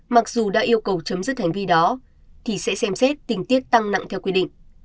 mặc dù đã yêu cầu chấm dứt hành vi đó thì sẽ xem xét tình tiết tăng nặng theo quy định